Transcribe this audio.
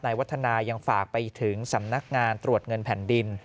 วัฒนายังฝากไปถึงสำนักงานตรวจเงินแผ่นดิน